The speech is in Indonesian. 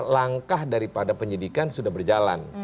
langkah daripada penyidikan sudah berjalan